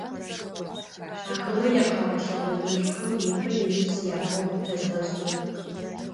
Ахэмэ якъэгъэлъэгъонышӏухэм непэ Юнус ягугъу тэзгъэшӏырэр.